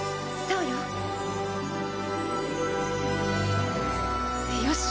そうよ。